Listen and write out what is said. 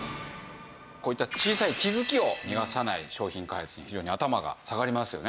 こういった小さい気づきを逃がさない商品開発に非常に頭が下がりますよね